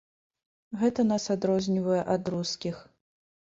Гэта нас адрознівае ад рускіх.